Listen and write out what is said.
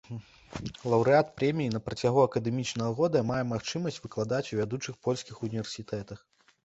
Лаўрэат прэміі на працягу акадэмічнага года мае магчымасць выкладаць у вядучых польскіх універсітэтах.